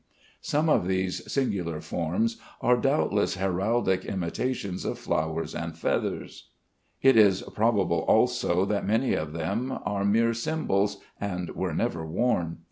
Some of these singular forms are doubtless heraldic imitations of flowers and feathers. It is probable also that many of them are mere symbols and were never worn.